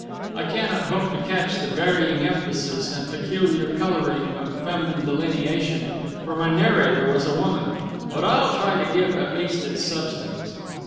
I cannot hope to catch the varying emphasis and peculiar coloring of feminine delineation, for my narrator was a woman; but I'll try to give at least its substance.